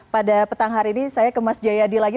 pada petang hari ini saya ke mas jayadi lagi